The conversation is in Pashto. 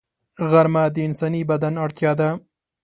غرمه د انساني بدن اړتیا ده